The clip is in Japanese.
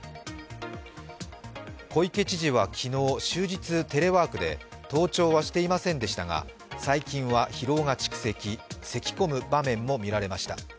小池知事は昨日、終日、テレワークで登庁はしていませんでしたが最近は疲労が蓄積、咳き込む場面も見られました。